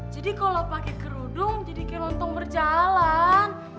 jadi kalau pakai kerudung jadi kayak lontong berjalan